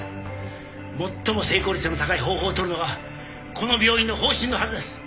最も成功率の高い方法を取るのがこの病院の方針のはずです。